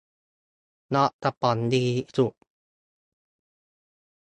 เงาะกระป๋องดีสุด